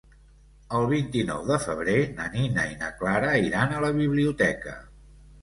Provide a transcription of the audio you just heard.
El vint-i-nou de febrer na Nina i na Clara iran a la biblioteca.